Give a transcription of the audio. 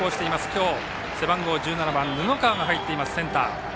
今日、背番号１７番布川が入っています、センター。